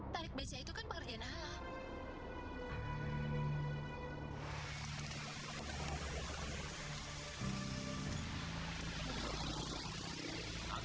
tarik beca itu kan pengertian hal